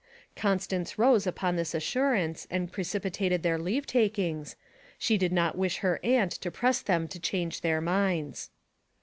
Constance rose upon this assurance and precipitated their leave takings; she did not wish her aunt to press them to change their minds.